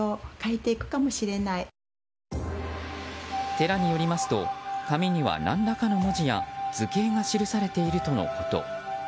寺によりますと、紙には何らかの文字や図形が記されているとのこと。